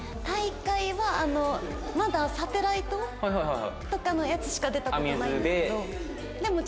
大会はあのまだサテライトとかのやつしか出た事ないんですけど。